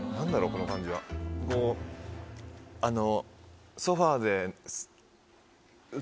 この感じはこうあの。